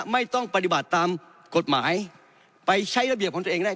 ไม่ต้องปฏิบัติตามกฎหมายไปใช้ระเบียบของตัวเองได้